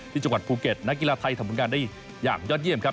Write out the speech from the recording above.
ที่จังหวัดภูเก็ตนักกีฬาไทยทำผลงานได้อย่างยอดเยี่ยมครับ